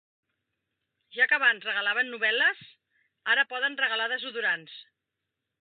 Ja que abans regalaven novel·les, ara poden regalar desodorants.